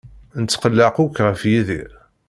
Netqelleq akk ɣef Yidir.